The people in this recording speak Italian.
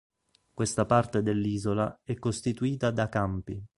Questa parte dell'isola è costituita da campi.